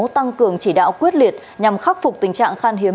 tăng cường chỉ đạo quyết liệt nhằm khắc phục tình trạng khan hiếm